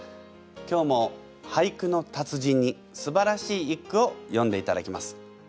今日も俳句の達人にすばらしい一句を詠んでいただきます。